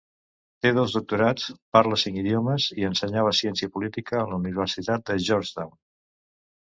Té dos doctorats, parla cinc idiomes, i ensenyava ciència política en la universitat de Georgetown.